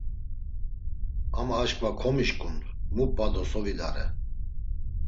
Ama aşǩva komişǩun mu p̌a do so vidare.